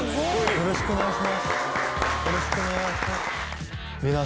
よろしくお願いします。